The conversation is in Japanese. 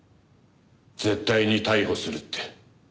絶対に逮捕するって。